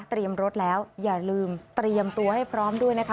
รถแล้วอย่าลืมเตรียมตัวให้พร้อมด้วยนะคะ